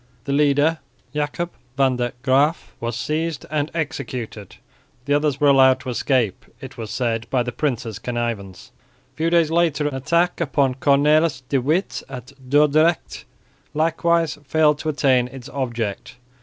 The leader, Jacob van der Graeff, was seized and executed; the others were allowed to escape, it was said by the prince's connivance. A few days later an attack upon Cornells de Witt at Dordrecht likewise failed to attain its object.